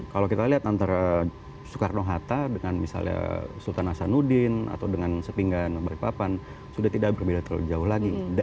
kalau kita lihat antara soekarno hatta dengan misalnya sultan hasanuddin atau dengan sepinggan balikpapan sudah tidak berbeda terlalu jauh lagi